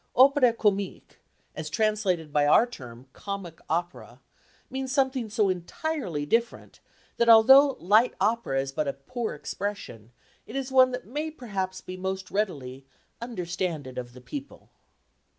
Opéra comique, as translated by our term "comic opera," means something so entirely different, that although "light opera" is but a poor expression, it is one that may perhaps be most readily "understanded of the people."